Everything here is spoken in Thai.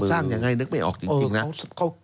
เอาสร้างอย่างไรนึกไม่ออกจริงนะ